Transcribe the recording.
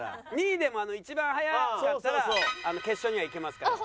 ２位でも一番速かったら決勝にはいけますから。